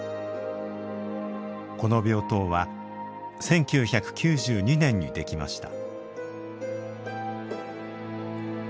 この病棟は１９９２年にできました。